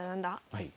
はい。